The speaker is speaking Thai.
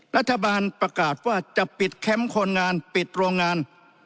รัฐบาลประกาศว่าจะปิดแคมป์คนงานปิดโรงงาน